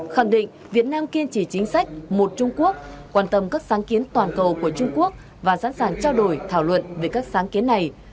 khẳng định việt nam kiên trì chính sách một trung quốc quan tâm các sáng kiến toàn cầu của trung quốc và sẵn sàng trao đổi thảo luận về các sáng kiến này